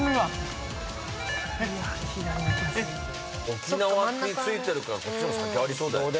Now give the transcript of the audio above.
沖縄って付いてるからこっちの方が先ありそうだよね。